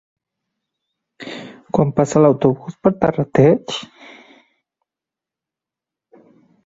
Quan passa l'autobús per Terrateig?